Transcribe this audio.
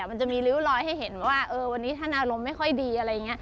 มันจะมีริ้วลอยให้เห็นว่าวันนี้ท่านอารมณ์ไม่ค่อยดีอะไรอย่างนี้